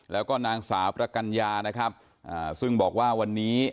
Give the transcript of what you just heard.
แล้วก็นางสาวประกัญญานะครับซึ่งบอกว่าวันนี้